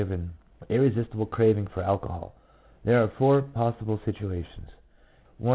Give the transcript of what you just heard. g., irresistible craving for alcohol. There are four possible situations: — 1.